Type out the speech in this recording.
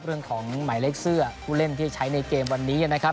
เรื่องของหมายเลขเสื้อผู้เล่นที่จะใช้ในเกมวันนี้นะครับ